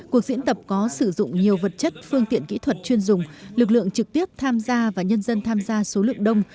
cuộc diễn tập có sử dụng nhiều vật chất phương tiện kỹ thuật chuyên dùng lực lượng trực tiếp tham gia và nhân dân tham gia số lượng đông